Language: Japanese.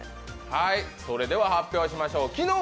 それでは発表にまいりましょう。